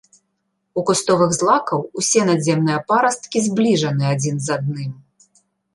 У кустовых злакаў усе надземныя парасткі збліжаны адзін з адным.